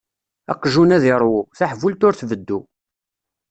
Aqjun ad iṛwu, taḥbult ur tbeddu.